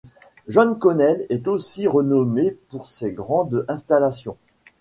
John Connell est aussi renommé pour ses grandes installations.